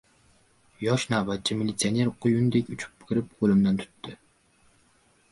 Yosh navbatchi militsioner quyundek uchib kirib, qo‘limdan tutdi.